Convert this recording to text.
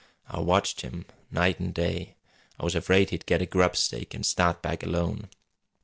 "I watched him night an' day. I was afraid he'd get a grubstake an' start back alone.